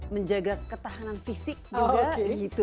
menjaga ketahanan fisik juga gitu